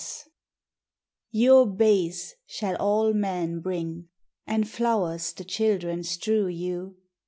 S.) YOUR bays shall all men bring, And flowers the children strew you.